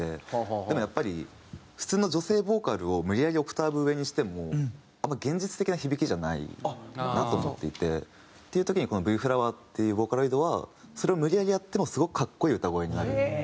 でもやっぱり普通の女性ボーカルを無理やりオクターブ上にしてもあんまり現実的な響きじゃないなと思っていて。っていう時にこのｖｆｌｏｗｅｒっていうボーカロイドはそれを無理やりやってもすごく格好いい歌声になる。